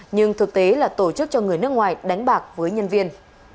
nhưng thực tế là tổ chức cho người nước ngoài đánh bạc với nhân viên